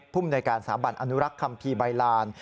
พุ่มโดยการสามารถอนุรักษ์คัมภีร์ใบลาน